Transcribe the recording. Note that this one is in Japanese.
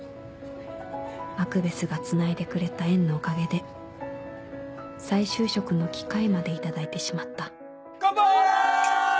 マクベスがつないでくれた縁のおかげで再就職の機会まで頂いてしまったカンパイ！